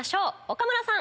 岡村さん。